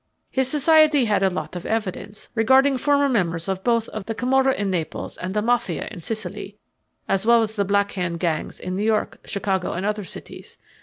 His society had a lot of evidence regarding former members of both the Camorra in Naples and the Mafia in Sicily, as well as the Black Hand gangs in New York, Chicago, and other cities.